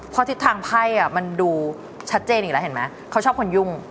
พอทิตย์ทางไพ่มันดูชัดเจนอีกแล้วเขาชอบคนยุ่ง